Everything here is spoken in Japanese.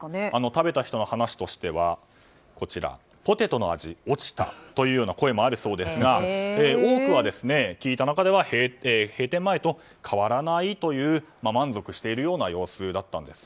食べた人の話としてはポテトの味、落ちたという声もあるそうですが多くは、聞いた中では閉店前と変わらないという満足しているような様子だったんです。